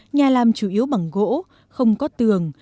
nhà làm chủ yếu bằng gỗ không có tường